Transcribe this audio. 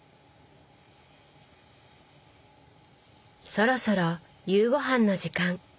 そろそろ夕ごはんの時間。